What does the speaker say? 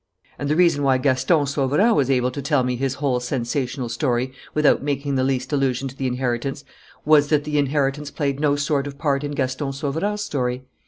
"And the reason why Gaston Sauverand was able to tell me his whole sensational story without making the least allusion to the inheritance was that the inheritance played no sort of part in Gaston Sauverand's story.